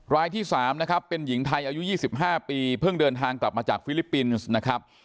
รายที่๓นะครับเป็นหญิงไทยอายุ๒๕ปีเพิ่งเดินทางกลับมาจากฟิลิปปินส์นะครับ